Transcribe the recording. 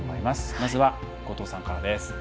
まずは後藤さんからです。